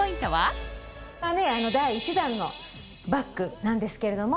第１弾のバッグなんですけれども。